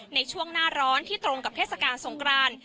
ในช่วงหน้าร้อนที่ตรงกับเทศกาลสงคราน